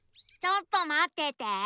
ちょっとまってて。